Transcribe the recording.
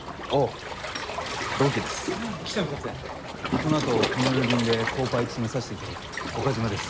このあとホノルル便でコーパイ務めさせて頂く岡島です。